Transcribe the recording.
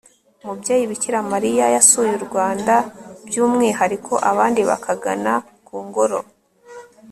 mubyeyi bikira mariya yasuye u rwanda by'umwihariko, abandi bakagana ku ngoro